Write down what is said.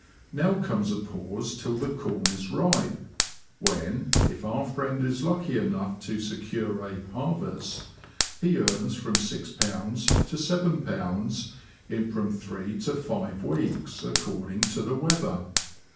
Now comes a pause till the corn is ripe, when, if our friend is lucky enough to secure a " harvest," he earns from £6 to £"] in from three to five weeks, according to the weather.